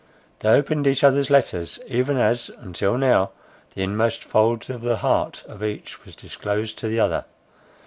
They opened each other's letters, even as, until now, the inmost fold of the heart of each was disclosed to the other.